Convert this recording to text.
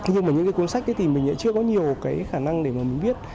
nhưng mà những cuốn sách thì mình chưa có nhiều khả năng để mà mình viết